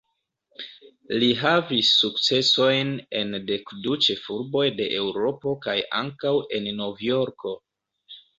Li havis sukcesojn en dekdu ĉefurboj de Eŭropo kaj ankaŭ en Novjorko.